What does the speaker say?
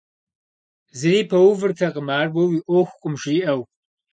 Зыри пэувыртэкъым, ар уэ уи Ӏуэхукъым, жиӀэу.